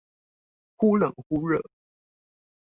忽冷忽熱